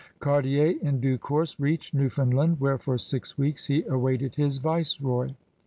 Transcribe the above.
Cartier in due course reached Newfoundland, where for six weeks he awaited his viceroy.